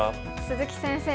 鈴木先生